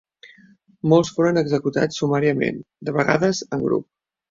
Molts foren executats sumàriament, de vegades en grup.